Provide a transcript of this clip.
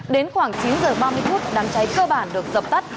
đến khoảng chín h ba mươi phút đám cháy cơ bản được dập tắt